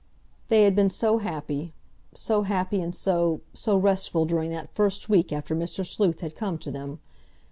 They had been so happy, so happy, and so—so restful, during that first week after Mr. Sleuth had come to them.